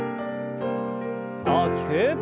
大きく。